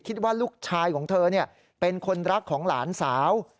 คิดว่าลูกชายของเธอเป็นคนรักของหลานสาว